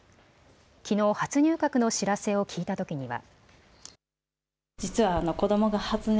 きのう、初入閣の知らせを聞いたときには。